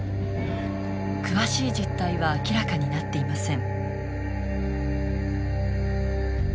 詳しい実態は明らかになっていません。